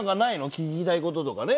聞きたい事とかね。